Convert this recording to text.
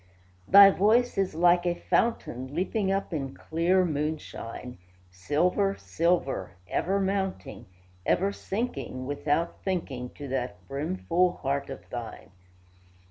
Thy voice is like a fountain, Leaping up in clear moonshine; Silver, silver, ever mounting, Ever sinking, Without thinking, To that brimful heart of thine.